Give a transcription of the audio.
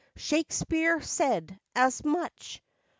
Shakespeare said as much.